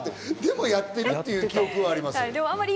でもやってるっていう記憶はあります。